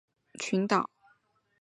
该物种的模式产地在马德拉群岛。